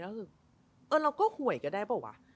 แล้วเราก็ห่วยกันได้ป่ะวะ